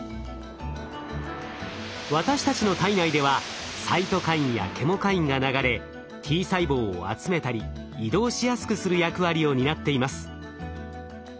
私たちの体内ではサイトカインやケモカインが流れＴ細胞を集めたり移動しやすくする役割を担っています。